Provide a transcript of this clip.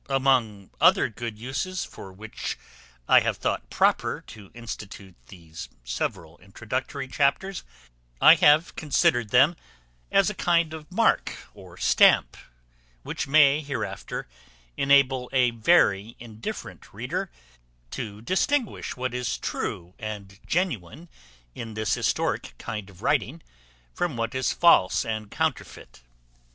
Among other good uses for which I have thought proper to institute these several introductory chapters, I have considered them as a kind of mark or stamp, which may hereafter enable a very indifferent reader to distinguish what is true and genuine in this historic kind of writing, from what is false and counterfeit.